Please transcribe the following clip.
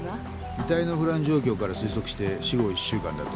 遺体の腐乱状況から推測して死後１週間だと。